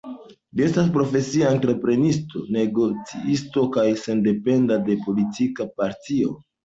Li estas profesia entreprenisto, negocisto kaj sendependa de politika partio.